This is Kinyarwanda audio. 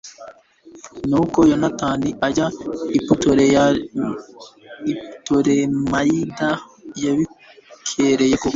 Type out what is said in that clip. nuko yonatani ajya i putolemayida yabikereye koko